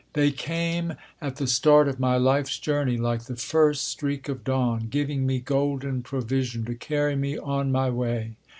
They came at the start of my life's journey, like the first streak of dawn, giving me golden provision to carry me on my way.